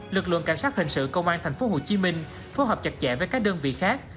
lực lượng cảnh sát hình sự công an tp hcm phối hợp chặt chẽ với các đơn vị khác